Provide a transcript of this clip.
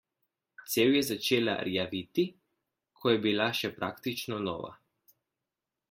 Cev je začela rjaviti, ko je bila še praktično nova.